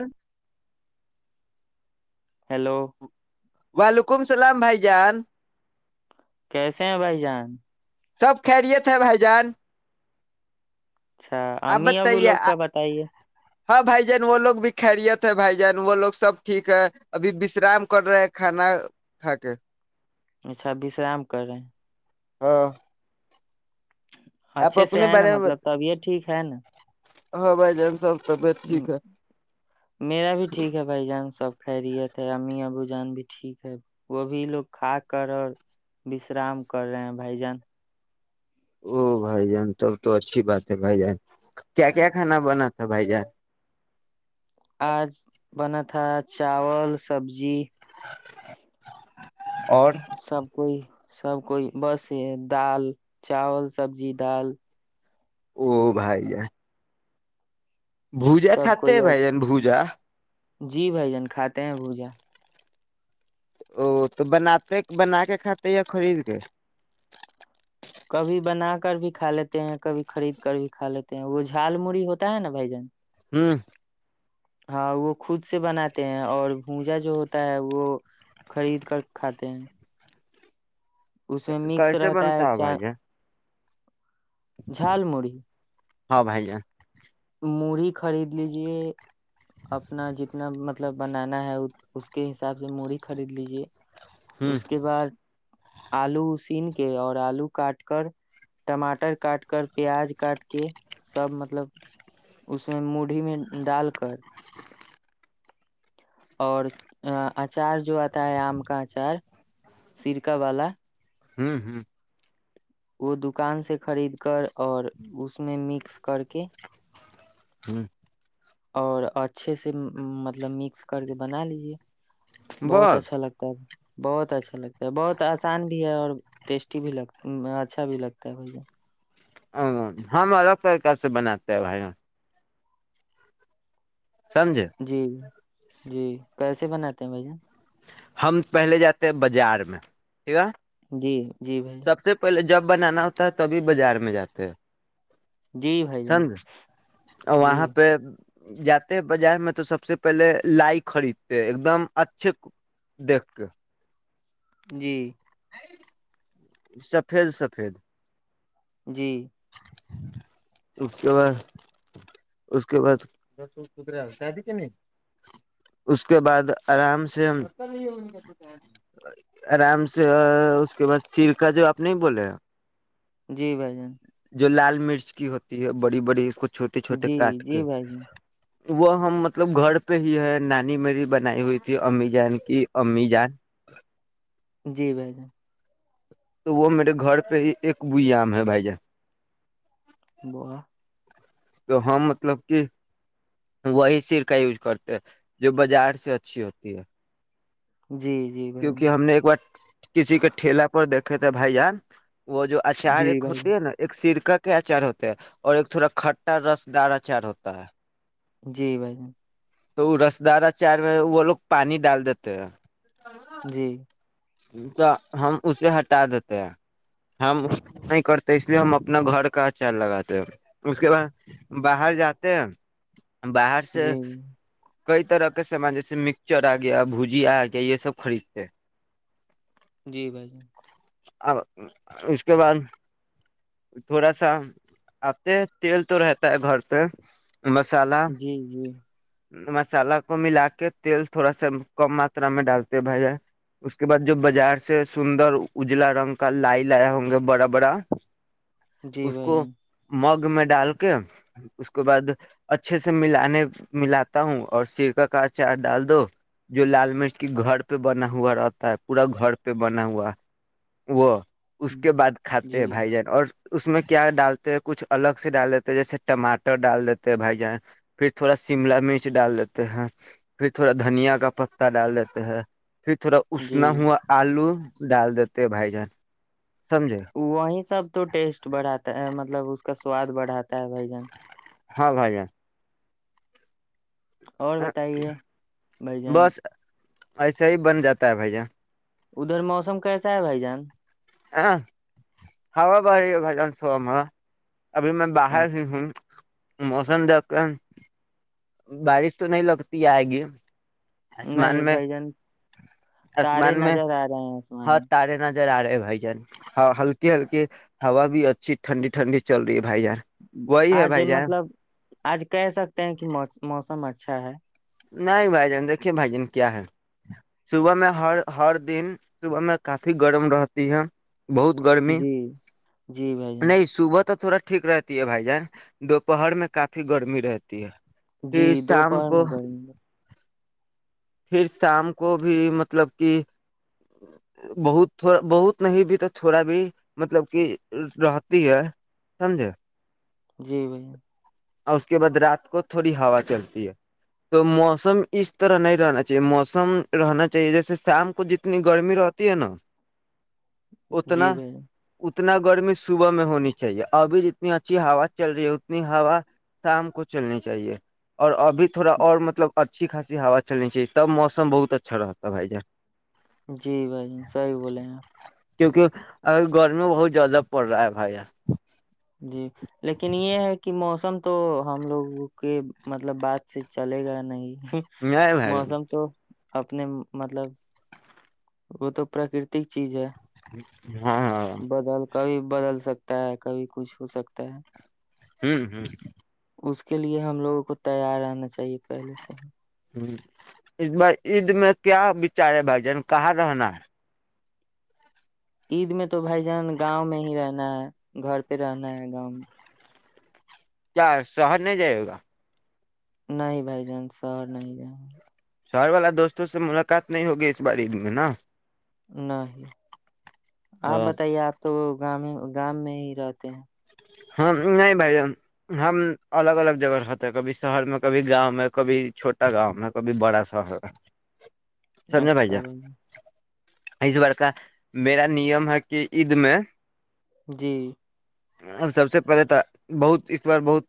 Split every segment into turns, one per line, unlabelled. ہ [unintelligible]
ہیلو
وعلیکم السلام بھائی جان
کیسے ہیں بھائی جان
سب خیریت ہے بھائی جان
اچھا
آپ
امی اب وہ
بتائیے
لوگ
آ-
کا بتائیے
ہاں بھائی جان وہ لوگ بھی خیریت ہے بھائی جان وہ لوگ سب ٹھیک ہے ابھی وشرام کر رہے کھانا کھا کے
اچھا وشرام کریں
ہاں آپ
اچھے سے
اپنے
ہے نا
بارے میں
مطلب
بت-
تبھی یہ ٹھیک ہے نا
ہاں بھائی ج س
میرا بھی ٹھیک ہے بھائی جان سب خیریت ہے امی ابو جان بھی ٹھیک ہے وہ بھی لوگ کھا کر اور وشرام کر رہے ہیں بھائی جان
او بھائی جان تب تو اچھی بات ہے بھائی جان کیا کیا کھانا بنا تھا بھائی جان
آج بنا تھا چاول سبزی
[inaudible] اور
سب کوئی سب کوئی بس یہ دال چاول سبزی دال
او بھائی ہے بوجا
سب
کھاتے
کوئی
ہیں بھ
آج
جن بوجا
جی بھائی جان کھاتے ہیں بوجا
ا تو بناتات بنا کے کھاتے ہیں خرید کے
کبھی بنا کر بھی کھا لیتے ہیں کبھی خرید کر بھی کھا لیتے ہیں وہ جھال مڑی ہوتا ہے نا بھائی جان
ہوں
ہاں وہ خود سے بناتے ہیں اور بھجا جو ہوتا ہے وہ خرید کر کھاتے ہیں اس میں مکس
کیسے
رہتا
بنتا ہے
چا
بھائی ج
جھال مڑی
ہاں بھائی جان
موڑی خرید لیجیے اپنا جتنا مطلب بنانا ہے اس کے حساب سے موی خرید لیجیے
ہوں
اس کے بعد آلو ا سین کے اور آلو کاٹ کر ٹماٹر کاٹ کر پیاز کاٹ کے سب مطلب اس میں مڈھی میں ڈال کر اور اچار جو آتا ہے آم کا اچار سرکا والا
ہوں ہوں
وہ دکان سے خرید کر اور اس میں مکس کر کے
ہوں
اور اچھے سے مطلب مکس کر کے بنا لیجے بہت اچھا لگتا ہے بہت اچھا لگتا ہے بہت آسان بھی ہے اور ٹیسٹی بھی لگ اچھا بھی لگتا ہے بجن
ا ہم الگ طریق سے بناتے ہیں بھائی سمجھے
جی جی کیسے بناتے ہیں بھائی جن
ہم پہلے جاتے ہیں بازار میں ٹھیک ہے
جی جی بھائی
سب سے پہلے جب بنانا ہوتا ہے تبھی بازار میں جاتے ہیں
جی بھائی جان
چند اور
جی
وہاں پہ جاتے ہیں بازار میں تو سب سے پہلے لائی خریدتے ایک دم اچھے دھ
جی
سفید سفید
جی
اس کے بعد اس کے بعدر شادی نہیں اس کے بعد آرام سے ہم آرام سے اس کے بعد سرکا جو آپ نہیں بولے
جی بھائی جن
جو لال مرچ کی ہوتی ہے بڑی بڑی کچھ چھوٹے چھوٹے
جی
کاٹ
جی
کے
بھائی جان
وہ ہم مطلب گھر پہ ہی ہے نانی میری بنائی ہوئی تھی امی جان کی امی جان
جی بائی جان
تو وہ میرے گھر پہ ایک بوئی عم ہے بھائی جان
با
تو ہم مطلب کہ وہی سرکا یوز کرتے ہیں جو بازار سے اچھی ہوتی ہے
جی جی بھائی جان
کیونکہ ہم نے ایک بار کسی کے ٹھیلا پر دیکھا کہتےے بھیا وہ جو اچار
جی
ایک
بھائی جان
ہوتے ہے نا ایک سرک کے اچار ہوتے ہیں اور ایک تھوڑا کھٹا رسدار اچار ہوتا ہے
جی بھائی ج
تو وہ رسدارا چار میں وہ لوگ پانی ڈال دیتے ہیں
جی
تو ہم اسے ہٹا دیتے ہیں ہم نہیں کرتے اس لیے ہم اپنا گھر کا اچار لگاتے اس کے بعد باہر جاتے ہیں باہر سے
جی
کئی طرح کے سامان جیسے مکسچر آ گیا بھجیا آ گیا یہ سب خریدتے ہیں
جی بھ جی
ا اس کے بعد تھوڑا سا آتے تیل تو رہتا ہے گھر سے
جی جی
مسالہ کو ملا کے تیل تھوڑا سا کم ماترا میں ڈالتے بھیا اس کے بعد جو بازار سے سندر اجلا رنگ کا لائی لایا ہوں گے بڑا بڑا
جی
اس
بھائی
کو
جان
مگ میں ڈال کے اس کے بعد اچھے سے ملانے ملاتا ہوں اور سیرکا کا اچار ڈال دو جو لال مرچ کی گھر پہ بنا ہوا رہتا ہے پورا گھر پہ بنا ہوا وہ اس کے بعد
جی
کھاتے ہیں
جی
بھائی جان اور اس میں کیا ڈالتے ہیں کچھ الگ سے ڈال دیتے ہیں جیسے ٹماٹر ڈال دیتے ہیں بھائی جان پھر تھوڑا شملا مرچ ڈال دیتے ہیں پھر تھوڑا دھنیا کا پتتا ڈال دیتے ہیں پھر تھوڑا اسنا
جی
ہوا آلو ڈال دیتے بھائی جان سمجھے
وہیں سب تو ٹیسٹ بڑھاتا ہے مطلب اس کا سواد بڑھاتا ہے بھ جان
ہاں بھائی
اور
جان
بتائیے بھ جان
ایسے ہی بن جاتا ہے بھائی ج
ادھر موسم کیسا ہے بھائی جان
ہاں ہوا باہی ہے بجان سو میں ابھی میں باہر ہی
اچھا
ہوں موسم دقا بارش تو نہیں لگتی آئے گی
نہیں
آسمان میں
بھائی جان تارے نظر آ رہے ہیں آسمان میں
نر آ رہے ہےھائی جن ہلکی ہلکی ہوا بھی اچھی ٹھنڈی ٹھنڈی چل رہی ہے بھائی جان وہی ہے
آج
بھائی جان
مطلب آج کہہ سکتے ہیں کہ مو موسم اچھا ہے
نہیں بھائی جان دیکھیے بھائی جان کیا ہے صبح میں ہر ہر دن صبح میں کافی گرم رہتی ہے بہت گرمی
جی جی بھائی جان
نہیں سبت تو تھوڑا ٹھیک رہتی ہے بھائی جان دوپہر میں کافی گرمی رہتی ہے
جی
پھر شام
دوپہر
کو
میں گائیں گے
پھر شام کو بھی مطلب کہ بہت تھوڑا بہت نہیں بھی تو تھوڑا بھی مطلب کہ رہتی ہے سمجھے
جی بھیا
اور اس کے بعد رات کو تھوڑی ہوا چلتی ہے تو موسم اس طرح نہیں رہنا چاہیے موسم رہنا چاہیے جیسے شام کو جتنی گرمی رہتی ہے نا
جی
اتنا
بھائی جان
اتنا گرمی صبح میں ہونی چاہیے ابھی جتنی اچھی ہوا چل رہی ہے اتنی ہوا شام کو چلنی چاہیے اور ابھی تھوڑا اور مطلب اچھی خاصی ہا چلنے چ تب موسم بہت اچھا رہتا ہے بھائی جان
جی بھائی جن صیح بولے ہیں آپ
کیونکہ ا گرمی بہت زیادہ پڑ رہا ہے بھائی یار
جی لیکن یہ ہے کہ موسم تو ہم لوگوں کے مطلب بعات سے چلے گا نہیں
نہیں بھائی
موسم
جان
تو اپنے مطلب وہ تو پراکرتک چیز ہے
ایک ہاں ہاں
بدل کبھی بدل سکتا ہے کبھی کچھ ہو سکتا ہے
ہوں ہوں
اس کے لیے ہم لوگوں کو تیار آنا چاہیے پہلے سے ہی
ہید بار عید میں کیا بچار ہے بھائی جان کہاں رہنا ہے
عید میں تو تو بائی جان گاؤں میں ہی رہ رہنا ہے گھر پہ رہنا ہے گاؤں میں
کیا شہر نہیں جائے گا
نہیں بھائی جان سر نہیں ج
شہر والا دوستوں سے ملاقات نہیں ہوگی اس باراری میں نا
نہیں آپ بتائیے آپ تو گ گام میں ہی رہتے ہیں
ہ نہیں بھائی ہم الگ الگ جگہ رہتے ہیں کبھی شہر میں کبھی گاؤں میں کبھی چھوٹا گاؤں میں کبھی بڑا شہر سمجھے بھائی
اچھا ب
جان اس بار کا میرا نیم ہے کہ عید میں
جی
سب سے پہلے تو بہت اس بار بہت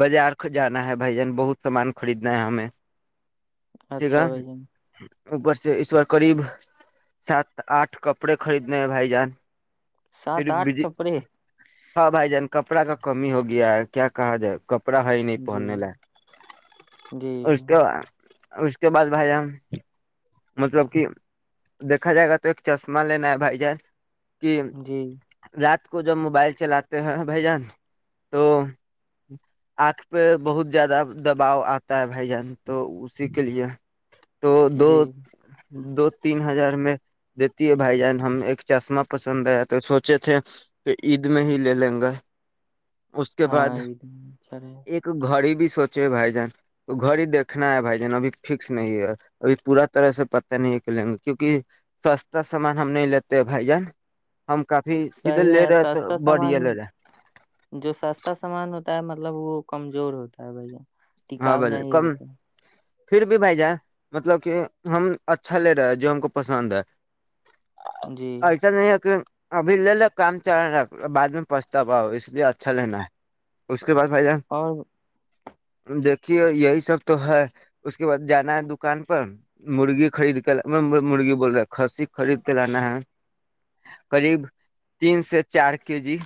بازار جانا ہے بھائی جان بہت سامان خریدنا ہے ہمیں ٹھیک
اچھا
ہے
بھائی جن
اوپر سے اس بار قریب سات آٹھ کپڑے خریدنے ہیں بھائی جان
سات
پھر
آٹھ
بجی
کپڑے
ہاں بھائی جان کپڑا کا کمی ہو گیا ہے کیا کہا جائے کپڑا ہے نہیں
جی
پہننے ل
جی
اس کے اس کے بعد بھائی جان مطلب کہ دیکھا جائے گا تو ایک چشمہ لینا ہے بھائی جان کہ
جی
رات کو جب موبائل چلاتے ہیں بھائی جان تو آنکھ پہ بہت زیادہ دباؤ آتا ہے بھائی جان تو اسی کے لیے تو دو
جی
دو تین ہزار میں دیتی ہے بھائی جان ہم ایک چشمہ پسند آ تو سوچے تھے کہ عید میں ہی لے لیں گا اس کے
ہاں
بعد
عید میں اچھا رہے
ایک گھڑی بھی سوچے بھائی جان تو گھر ہی دیکھنا ہے بھائی جان ابھی فکس نہیں ہے ابھی پورا طرح سے پتہ نہیں کرلیں گے کیونکہ سستا سامان ہم نہیں لیتے ہیں بھائی جان ہم کافی سیدھے
صحیح
لے
ہے
رہے تو
سستا سامان
بڑھیا لے رہے
جو سستا سامان ہوتا ہوتا ہے مطلب وہ کمزور ہوتا ہے بھیا
ہاں
کاؤ
بھائی جان
نہیں ہی
کم
ہوتا
پھر بھی بھائی جان مطلب کہ ہم اچھا لے رہے جو ہم کو پسند ہے
جی
ایسا نہیں ہے کہ ابھی لے لو کام چ بعد میں پچھتا پاؤ اس لیے اچھا لینا ہے اس کے بعد بھائی جان
اور
دیکھیے یہی سب تو ہے اس کے بعد جانا ہے دکان پر مرغی خرید کے مرغی بول رہے کھسی خرید کے لانا ہے قریب تین سے چار کے جی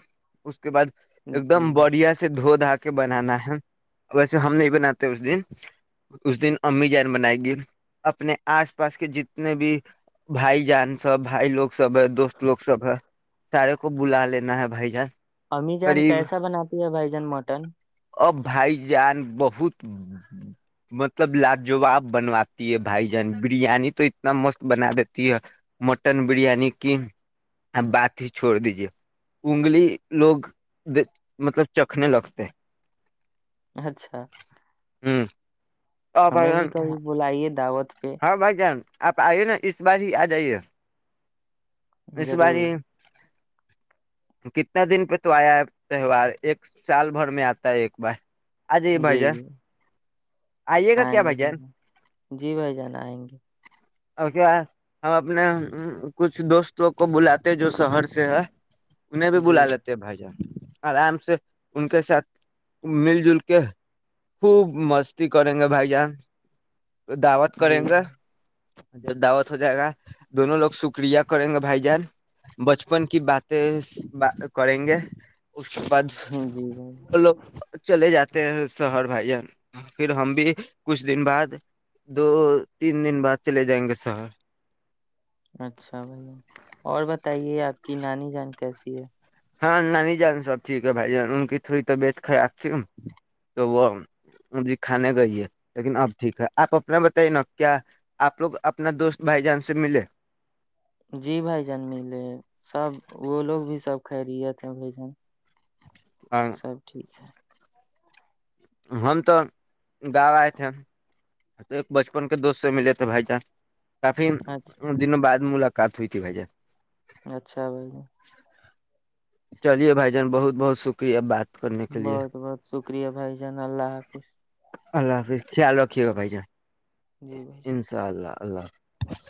اس کے بد ایک دم
جی
بڑھیا سے دھو دا کے بنانا ہے ویسے ہم نہیں بناتے اس دن اس دن امی جان بنائے گی اپنے آس پاس کے جتنے بھی بھائی جان سب بھائی لوگ سب ہے دوست لوگ سب ہے سارے کو بلا لینا ہے بھائی جان
امی جان
قریب
کیسا بناتی ہے بھائی جان مٹن
ا بھائی جان بہت مطلب لاجواب بنواتی ہے بھائی جان بریانی تو اتنا مست بنا دیتی ہے مٹن بریانی کی بات ہی چھوڑ دیجیے انگلی لوگ مطلب چکھنے لگتے ہیں
اچھا
ہوں
ہمیں بھی کبھی بلائیے دعوت پہ
ہاں بھائی جان آپ آئیے نا اس بار ہی آ جائیے اس باری
ضرور
کتنا دن پہ تو آیا تہوار ایک سال بھر میں آتا ہے ایک بار آ جائیے
جی
بھائی جان
جی
آئیے گا
آئیں
کیا
گے
بھائی جان
جی بھائی جان آئیں گے
اور کیا ہم اپنے کچھ دوستوں کو بلاتے جو شہر سے ہے انہیں بھی
جی
بلا لیتے ہیں بھائی جان آرام سے ان کے ساتھ مل جل کر کہ خوب مستی کریں گے بھائی جان دعوت کریں
جی
گ گا جب دعوت ہو جائے گا دونوں لوگ شکریہ کریں گے بھائی جان بچپن کی باتیں کریں گے اس کے بعد ب
جی بھائی جان۔
لو چلے جاتے ہیں شہر بھائی جان پھر ہم بھی کچھ دن بعد دو تین دن بعد چلے جائیں گے شہر
اچھا بھ اور بتائیے آپ کی نانی جان کیسی ہے
ہاں نانی جان سب ٹھیک ہے بھائی جان ان کی تھوڑی طبیعت خراب تھی تو وہ کھانے گئی ہے لیکن اب ٹھیک ہے آپ اپنا بتائیے نا کیا آپ لوگ اپنا دوست بھائی جان سے ملے
جی بھائی جان ملے سب وہ لوگ بھی سب کہ رہیے تھے بھجن سب ٹھیک ہے
ہم تو گا آئے تھ ہم تو ایک بچپن کے دوست سے ملے تھے بھائی جان کافی
اچھا
دنوں بد ملاگ کات ہوتی بج جیں
اچھا بھائی جان
چلیے بھائی جان بہت بہت شکریہ بات کرنے کے لیے
بہت بہت شکریہ بھائی جان اللہ حافظ
اللہ حافظ خیال رکھیے گا بھائی ج
جی بھائی جان
انشاء اللہ اللہ حافظ بس